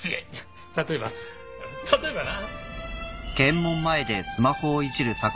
例えば例えばな。